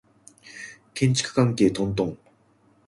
建築関係トントン